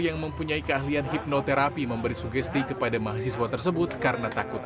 yang mempunyai keahlian hipnoterapi memberi sugesti kepada mahasiswa tersebut karena takut